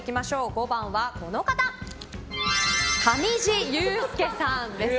５番は上地雄輔さんですね。